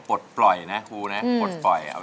ปลดปล่อยนะครูนะปลดปล่อย